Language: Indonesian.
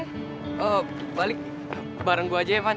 oh balik bareng gue aja ya van